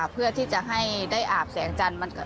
เพื่อที่จะให้ได้อาบแสงจันทร์